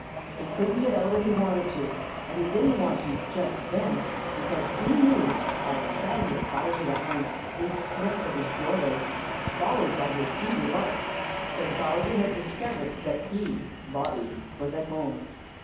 He couldn't get out if he wanted to, and he didn't want to just then because he knew by the sound of Bowser the Hound's deep sniffs at his doorway, followed by his eager barks, that Bowser had discovered that he, Bobby, was at home.